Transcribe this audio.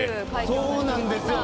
そうなんですよ。